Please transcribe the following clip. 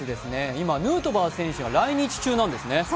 今、ヌートバー選手が来日中なんですね。